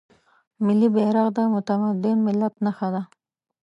ملي بیرغ د متمدن ملت نښه ده.